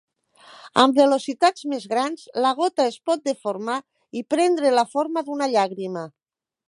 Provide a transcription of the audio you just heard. Amb velocitats més grans, la gota es pot deformar i prendre la forma d'una llàgrima.